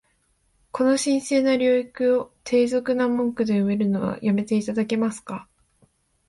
この神聖な領域を、低俗な文句で埋めるのは止めて頂けますか？